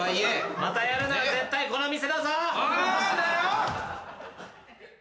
またやるなら絶対この店だぞ！